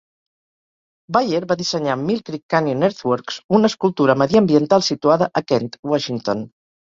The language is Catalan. Bayer va dissenyar Mill Creek Canyon Earthworks, una escultura mediambiental situada a Kent, Washington.